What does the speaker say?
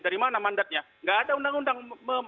dari mana mandatnya nggak ada undang undang